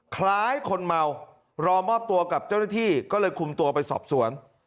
คล้ายคนเมารอมอบตัวกับเจ้าหน้าที่ก็เลยคุมตัวไปสอบสวน